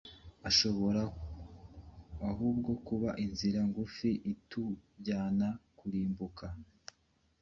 Ishobora ahubwo kuba inzira ngufi itujyana kurimbuka!